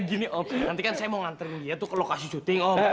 gini oke nanti kan saya mau nganterin dia tuh ke lokasi syuting om